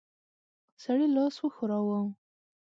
سړي لاس وښوراوه.